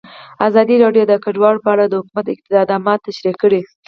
ازادي راډیو د کډوال په اړه د حکومت اقدامات تشریح کړي.